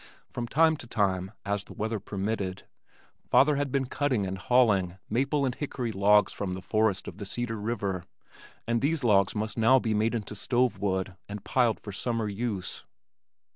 From time to time as the weather permitted, father had been cutting and hauling maple and hickory logs from the forests of the Cedar River, and these logs must now be made into stove wood and piled for summer use.